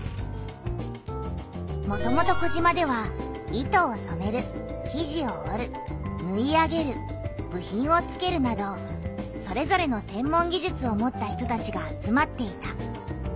もともと児島では糸をそめる生地を織るぬい上げる部品をつけるなどそれぞれの専門技術を持った人たちが集まっていた。